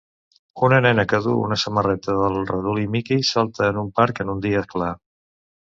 Una nena que duu una samarreta del ratolí Mickey salta en un parc en un dia clar.